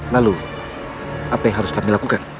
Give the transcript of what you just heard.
lalu apa yang harus kami lakukan